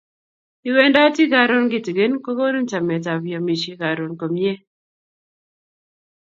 iwendate karon kitingin ko konin chamet ab iamishe karon komie